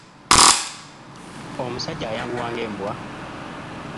Omusajja ayanguwa nga Embwa.